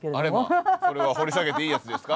それは掘り下げていいやつですか？